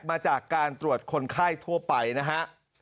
มาจากการตรวจคนไข้ทั่วไปนะฮะ